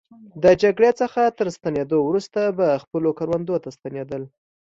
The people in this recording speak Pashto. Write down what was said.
د جګړې څخه تر ستنېدو وروسته به خپلو کروندو ته ستنېدل.